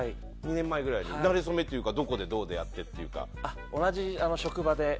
なれそめというかどこでどう出会ってっていうか。